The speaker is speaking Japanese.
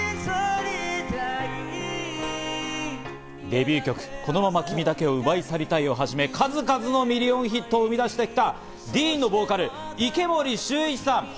デビュー曲『このまま君だけを奪い去りたい』をはじめ、数々のミリオンヒットを生み出してきたＤＥＥＮのボーカル・池森秀一さん。